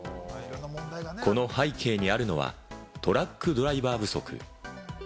この背景にあるのはトラックドライバー不足。